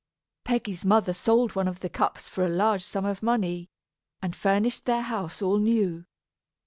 Peggy's mother sold one of the cups for a large sum of money, and furnished their house all new.